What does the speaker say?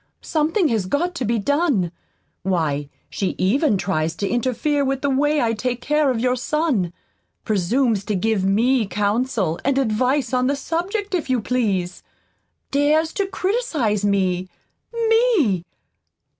Something has got to be done. Why, she even tries to interfere with the way I take care of your son presumes to give me counsel and advice on the subject, if you please. Dares to criticize me ME!